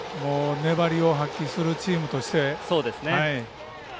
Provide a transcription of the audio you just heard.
粘りを発揮するチームとして。